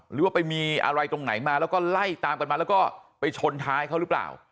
หรือว่าไปมีอะไรตรงไหนมาแล้วก็ไล่ตามกันมาแล้วก็ไปชนท้ายเขาหรือเปล่า